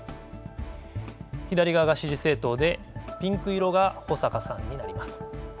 左側が支持政党で、ピンク色が保坂さんになります。